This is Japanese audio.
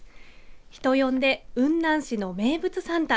人呼んで雲南市の名物サンタ。